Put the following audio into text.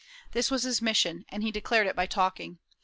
This was his mission, and he declared it by talking.